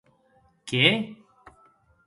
Qué?